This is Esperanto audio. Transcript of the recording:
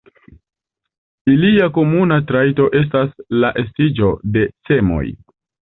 Ilia komuna trajto estas la estiĝo de semoj.